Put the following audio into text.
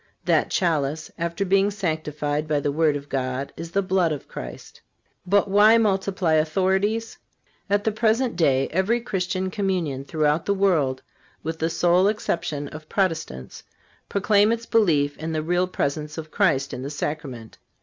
That chalice, after being sanctified by the word of God, is the blood of Christ."(376) But why multiply authorities? At the present day every Christian communion throughout the world, with the sole exception of Protestants, proclaim its belief in the Real Presence of Christ in the Sacrament.